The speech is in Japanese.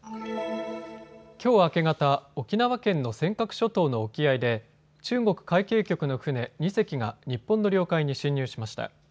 きょう明け方、沖縄県の尖閣諸島の沖合で中国海警局の船２隻が日本の領海に侵入しました。